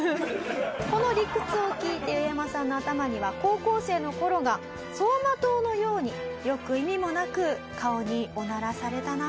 この理屈を聞いてウエヤマさんの頭には高校生の頃が走馬灯のように「よく意味もなく顔にオナラされたなあ」